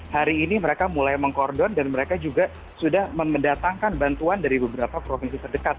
hari ini mereka mulai mengkordon dan mereka juga sudah mendatangkan bantuan dari beberapa provinsi terdekat